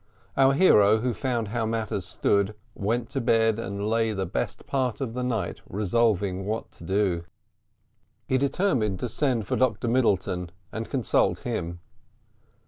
Our hero, who found how matters stood, went to bed, and lay the best part of the night revolving what to do. He determined to send for Dr Middleton, and consult him.